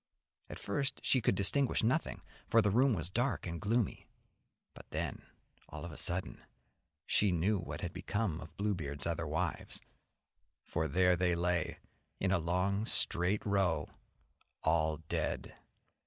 At first she could distinguish nothing, for the room was dark and gloomy, but then, all of a sudden, she knew what had become of Bluebeard's other wives, for there they lay, in a long, straight row, all dead.